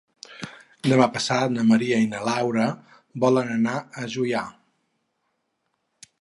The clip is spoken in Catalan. Demà passat en Maria i na Laura volen anar a Juià.